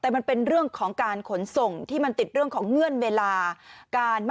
แต่มันเป็นเรื่องของการขนส่งที่มันติดเรื่องของเงื่อนเวลา